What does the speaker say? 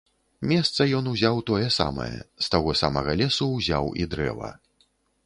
Месца ён узяў тое самае, з таго самага лесу ўзяў і дрэва.